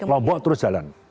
lombok terus jalan